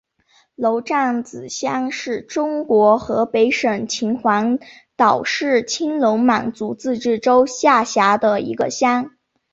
娄杖子乡是中国河北省秦皇岛市青龙满族自治县下辖的一个乡。